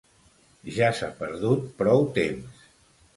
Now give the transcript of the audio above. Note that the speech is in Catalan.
Ja s’ha perdut prou temps.